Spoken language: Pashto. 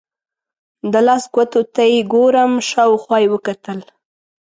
د لاس ګوتو ته یې ګورم، شاوخوا یې وکتل.